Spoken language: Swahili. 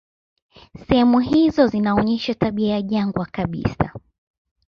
Sehemu hizo zinaonyesha tabia ya jangwa kabisa.